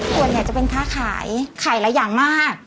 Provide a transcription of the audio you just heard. ส่วนใหญ่จะเป็นค้าขายขายหลายอย่างมาก